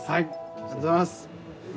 ありがとうございます。